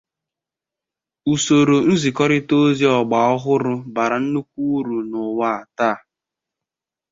usoro nzikọrịta ozi ọgbaa ọhụrụ bara nnukwu uru n’ụwa taa